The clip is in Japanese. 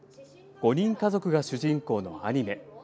５人家族が主人公のアニメ。